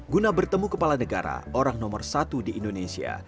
guna bertemu kepala negara orang nomor satu di indonesia